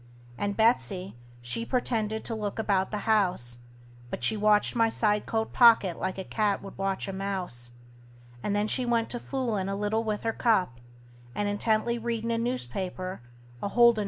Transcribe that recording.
And Betsey, she pretended to look about the house, But she watched my side coat pocket like a cat would watch a mouse: And then she went to foolin' a little with her cup, And intently readin' a newspaper, a holdin' it wrong side up.